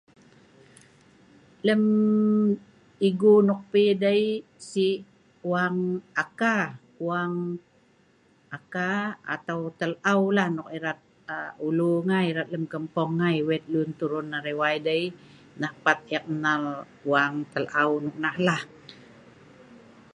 lem igu nok pi dei sik wang aka wang aka atau tel'au lah nok erat aa ulu ngai erat lem kampung ngai wet lun turun arai wai dei nah pat ek nal wang tel'au nok nah lah